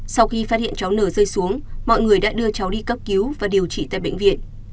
sau khi phát hiện cháu nờ rơi xuống mọi người đã đưa cháu đi cấp cứu và điều trị tại bệnh viện